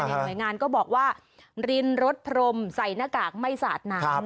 หน่วยงานก็บอกว่ารินรถพรมใส่หน้ากากไม่สาดน้ำ